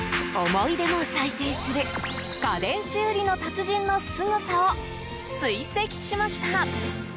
思い出も再生する家電修理の達人のすごさを追跡しました。